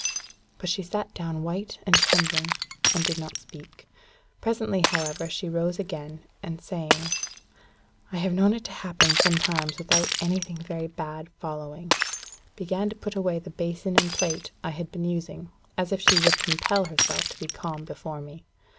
But she sat down white and trembling, and did not speak. Presently, however, she rose again, and saying, "I have known it happen sometimes without anything very bad following," began to put away the basin and plate I had been using, as if she would compel herself to be calm before me.